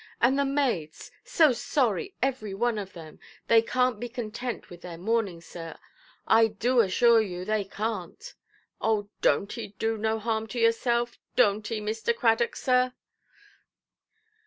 And the maids, so sorry every one of them, they canʼt be content with their mourning, sir; I do assure you they canʼt. Oh, donʼt 'ee do no harm to yourself, donʼt 'ee, Mr. Cradock, sir".